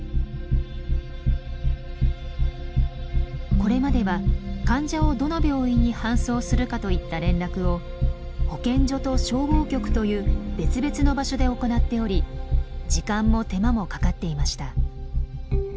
これまでは患者をどの病院に搬送するかといった連絡を保健所と消防局という別々の場所で行っており時間も手間もかかっていました。